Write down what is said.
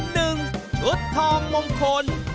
หนึ่งชุดทองมงคล